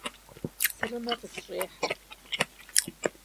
Сырымэ къысщӏехьэ.